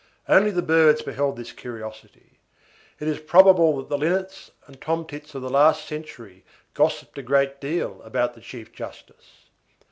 Only the birds beheld this curiosity. It is probable that the linnets and tomtits of the last century gossiped a great deal about the chief justice.